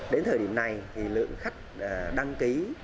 đến thời điểm này thì lượng khách đăng ký